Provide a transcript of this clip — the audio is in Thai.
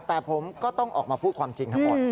แต่ผมก็ต้องออกมาพูดความจริงทั้งหมด